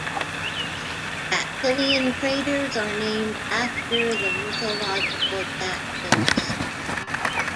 Dactylian craters are named after the mythological Dactyls.